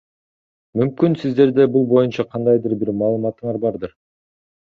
Мүмкүн сиздерде бул боюнча кандайдыр бир маалыматтарыңар бардыр?